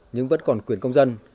nhưng vẫn còn quyền công dân